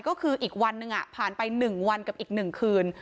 ก็คืออีกวันหนึ่งผ่านไป๑วันกับอีก๑คืน